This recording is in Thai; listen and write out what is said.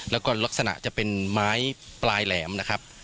แล้วก็ลักษณะจะเป็นไม้ปลายแหลมนะครับ